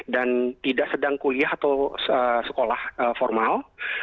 tidak sedang kuliah atau sekolah formal